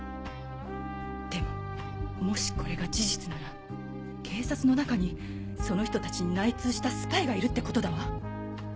でももしこれが事実なら警察の中にその人たちに内通したスパイがいるってことだわ